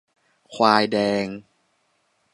ควายแดง